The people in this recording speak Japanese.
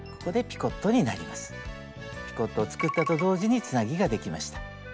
ピコットを作ったと同時につなぎができました。